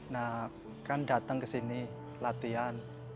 nah kan datang ke sini latihan